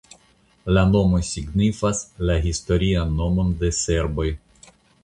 La nomo signifas la historian nomon de serboj.